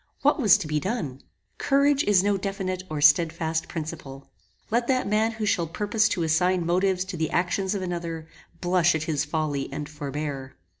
What was to be done? Courage is no definite or stedfast principle. Let that man who shall purpose to assign motives to the actions of another, blush at his folly and forbear.